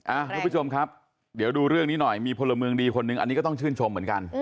คุณผู้ชมครับเดี๋ยวดูเรื่องนี้หน่อยมีพลเมืองดีคนหนึ่งอันนี้ก็ต้องชื่นชมเหมือนกัน